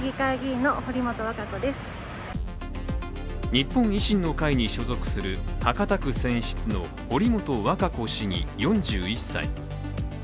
日本維新の会に所属する博多区選出の堀本和歌子市議４１歳。